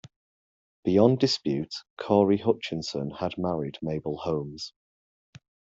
Beyond dispute, Corry Hutchinson had married Mabel Holmes.